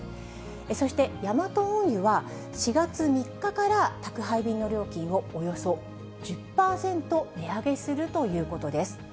そしてヤマト運輸は、４月３日から宅配便の料金をおよそ１０％値上げするということです。